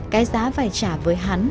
cái giá phải trả với hắn